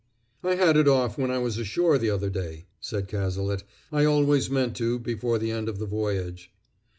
"I had it off when I was ashore the other day," said Cazalet. "I always meant to, before the end of the voyage."